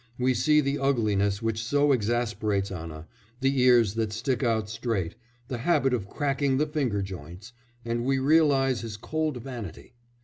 We see the ugliness which so exasperates Anna the ears that stick out straight, the habit of cracking the finger joints and we realise his cold vanity.